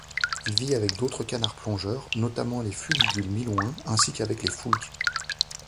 Il vit avec d'autres canards plongeurs, notamment les fuligules milouins ainsi qu'avec les foulques.